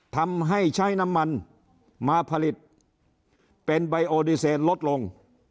ทำให้ใช้น้ำมันมาผลิตเป็นใบโอดีเซนลดลง